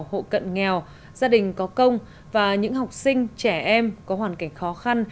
hộ cận nghèo gia đình có công và những học sinh trẻ em có hoàn cảnh khó khăn